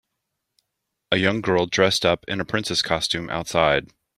A young girl dressed up in a princess costume outside.